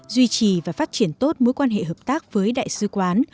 duy trì và phát triển tốt mối quan hệ hợp tác với đại sứ quán